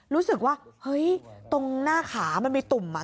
รู้สึกว่าเฮ้ยตรงหน้าขามันมีตุ่มอ่ะ